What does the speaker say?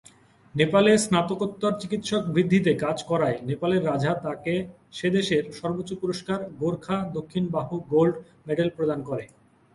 নেপালে স্নাতকোত্তর চিকিৎসক বৃদ্ধিতে কাজ করায় নেপালের রাজা তাকে সে দেশের সর্বোচ্চ পুরস্কার গোর্খা দক্ষিণ বাহু গোল্ড মেডেল প্রদান করে।